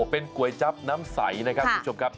เป็นก๋วยจั๊บน้ำใสนะครับคุณผู้ชมครับ